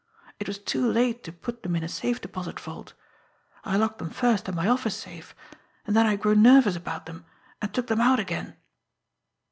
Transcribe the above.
It was too late to put them in a safe deposit vault. I locked them first in my office safe, and then I grew nervous about them, and took them out again."